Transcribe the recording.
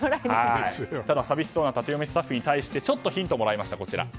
ただ、寂しそうなタテヨミスタッフにちょっとヒントをもらえました。